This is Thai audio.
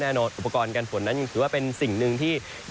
อุปกรณ์การฝนนั้นยังถือว่าเป็นสิ่งหนึ่งที่